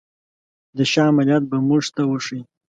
د شاه عملیات به موږ ته وښيي.